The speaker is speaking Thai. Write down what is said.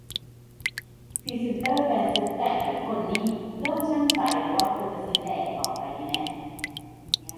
"พรีเซ็นเตอร์แบรนด์ซุปไก่แต่ละคนนี่ เริ่มชั่งใจละว่าควรจะซื้อแดกต่อไปดีไหม"